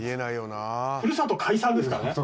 ふるさと解散ですからね。